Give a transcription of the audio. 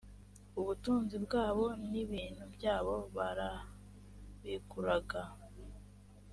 ubutunzi bwabo n ibintu byabo barabiguraga